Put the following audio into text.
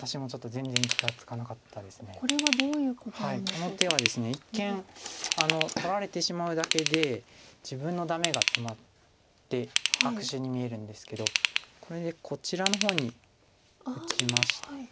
この手はですね一見取られてしまうだけで自分のダメがツマって悪手に見えるんですけどこれでこちらの方に打ちまして。